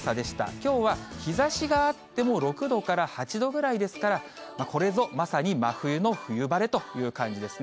きょうは日ざしがあっても６度から８度ぐらいですから、これぞまさに真冬の冬晴れという感じですね。